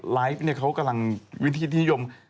ไลฟ์เนี่ยเขากำลังวิทยุทธิยม